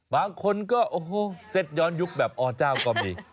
บางคนก็โอ้โหเซ็ตย้อนยุคแบบอเจ้าก็มี